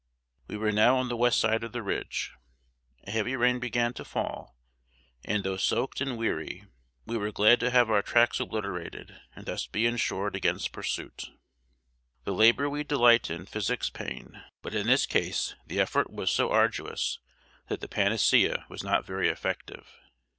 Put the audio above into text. We were now on the west side of the Ridge. A heavy rain began to fall, and, though soaked and weary, we were glad to have our tracks obliterated, and thus be insured against pursuit. "The labor we delight in physics pain;" but in this case the effort was so arduous that the panacea was not very effective.